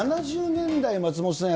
７０年代、松本さん